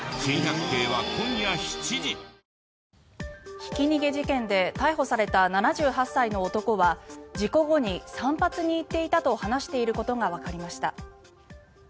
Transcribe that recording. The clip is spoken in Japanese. ひき逃げ事件で逮捕された７８歳の男は事故後に散髪に行っていたと話していることがわかりました。